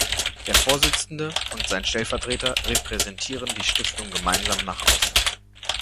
Der Vorsitzende und sein Stellvertreter repräsentieren die Stiftung gemeinsam nach außen.